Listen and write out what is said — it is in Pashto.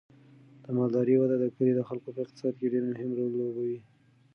د مالدارۍ وده د کلي د خلکو په اقتصاد کې ډیر مهم رول لوبوي.